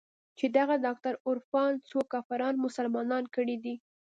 چې دغه ډاکتر عرفان څو کافران مسلمانان کړي دي.